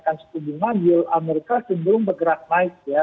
dan setidaknya amerika cenderung bergerak naik ya